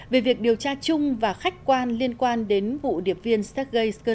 về việc điều tra chung và khách quan liên quan đến vụ điệp viên sergei skripal và con gái bị đầu độc tại anh